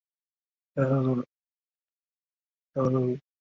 此校正因子和刀具的切削操作的长度之间的关系不是线性的。